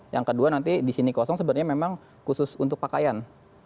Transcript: yang kedua nanti di sini kosong sebenarnya memang khusus untuk pakaian